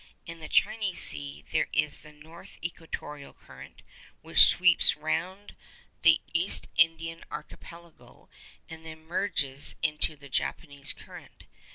In the Chinese Sea there is the north equatorial current, which sweeps round the East Indian Archipelago, and then merges into the Japanese current.